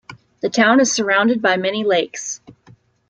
The town is surrounded by many lakes.